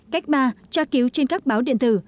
cách ba tra cứu trên các báo điện thử